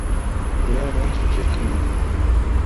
Urareɣ s uselkim-nni.